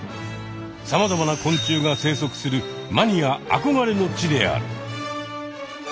さまざまな昆虫が生息するマニアあこがれの地である。